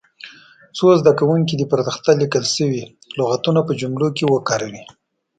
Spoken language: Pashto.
څو زده کوونکي دې پر تخته لیکل شوي لغتونه په جملو کې وکاروي.